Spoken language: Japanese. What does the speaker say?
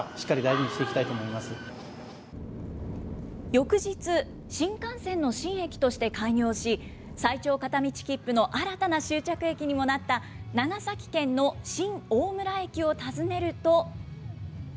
翌日、新幹線の新駅として開業し、最長片道切符の新たな終着駅にもなった長崎県の新大村駅を訪ねると。